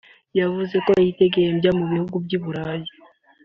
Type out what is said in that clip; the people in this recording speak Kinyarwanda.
yavuze ko yidegembya mu bihugu by’u Burayi